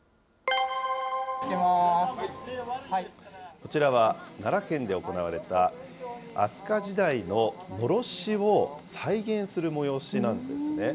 こちらは奈良県で行われた飛鳥時代ののろしを再現する催しなんですね。